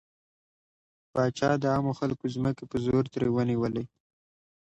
پاچا د عامو خلکو ځمکې په زور ترې ونيولې.